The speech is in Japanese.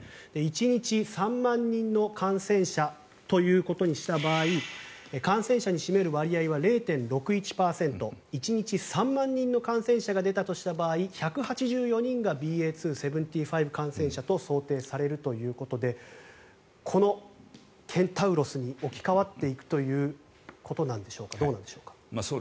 １日３万人の感染者ということにした場合感染者に占める割合は０．６１％１日３万人の感染者が出たとした場合１８４人がＢＡ．２．７５感染者と想定されるということでこのケンタウロスに置き換わっていくということなんでしょうかどうなんでしょうか